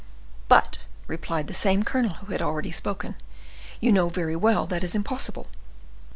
"But," replied the same colonel who had already spoken, "you know very well that is impossible."